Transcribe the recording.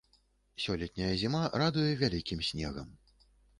Сёлетняя зіма радуе вялікім снегам.